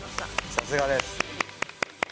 さすがです。